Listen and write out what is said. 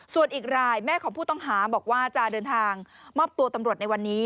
ส่วนอีกรายแม่ของผู้ต้องหาบอกว่าจะเดินทางมอบตัวตำรวจในวันนี้